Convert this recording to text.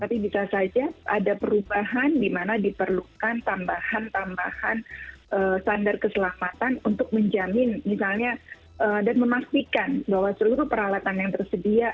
tapi bisa saja ada perubahan di mana diperlukan tambahan tambahan standar keselamatan untuk menjamin misalnya dan memastikan bahwa seluruh peralatan yang tersedia